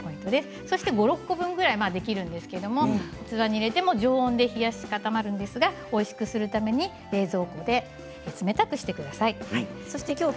５、６個分ぐらいできるんですが器に入れても常温で冷やし固まりますがおいしくするために冷蔵庫で冷たくしてください。